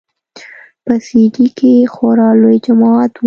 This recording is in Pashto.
په سي ډي کښې خورا لوى جماعت و.